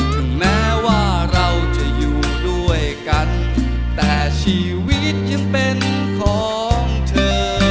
ถึงแม้ว่าเราจะอยู่ด้วยกันแต่ชีวิตยังเป็นของเธอ